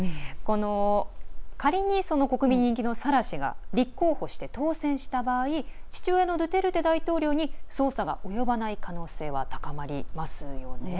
仮に国民に人気のサラ氏が立候補して、当選した場合父親のドゥテルテ大統領に捜査が及ばない可能性は高まりますよね。